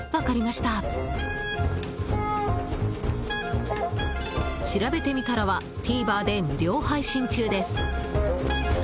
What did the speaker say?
しらべてみたらはＴＶｅｒで無料配信中です。